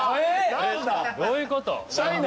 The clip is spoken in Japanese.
どういうこと？